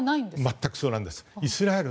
全くそうなんです。